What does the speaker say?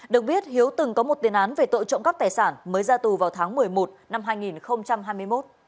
được biết hiếu từng có một tiền án về tội trộm cắp tài sản mới ra tù vào tháng một mươi một năm hai nghìn hai mươi một